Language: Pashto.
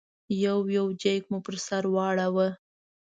یو یو جېک مو پر سر واړاوه.